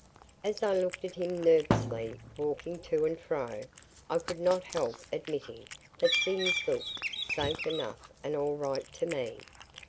As I looked at him nervously walking to and fro, I could not help admitting that things looked safe enough and all right to me.